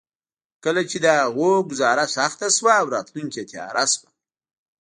کله چې د هغوی ګوزاره سخته شوه او راتلونکې تياره شوه.